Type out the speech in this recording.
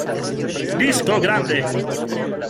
Disco grande.